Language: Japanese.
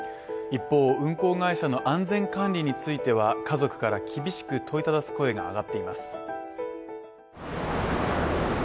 一方、運航会社の安全管理については、家族から厳しく問いただす声が上がっています